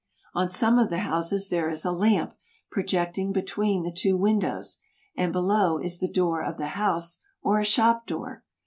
On some of the houses there is a lamp projecting be tween the two windows, and below is the door of the house or a shop door.